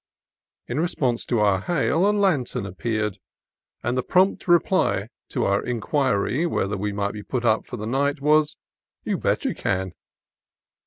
In response to our hail a lantern appeared, and the prompt reply to our in quiry whether we might put up there for the night was, "You bet you can!"